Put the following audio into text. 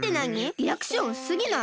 リアクションうすすぎない！？